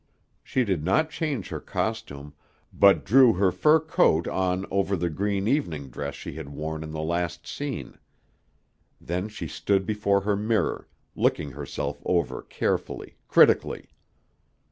She did not change her costume, but drew her fur coat on over the green evening dress she had worn in the last scene. Then she stood before her mirror, looking herself over carefully, critically.